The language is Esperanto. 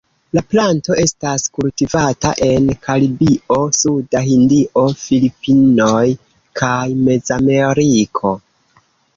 La planto estas kultivata en Karibio suda Hindio, Filipinoj kaj Mezameriko.